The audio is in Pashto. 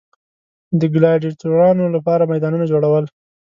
د ګلاډیټورانو لپاره میدانونه جوړول.